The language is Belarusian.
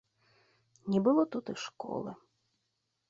Не было тут і школы.